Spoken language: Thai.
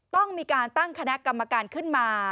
ต้องมีการตั้งคณะกรรมการขึ้นมา